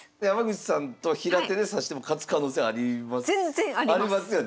山口さんと平手で指しても勝つ可能性あります？